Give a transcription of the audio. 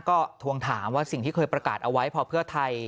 ก็ทวงถามว่าสิ่งที่เคยประกาศเอาไว้พอเพื่อไทย